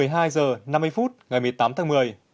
một mươi hai h năm mươi phút ngày một mươi tám tháng một mươi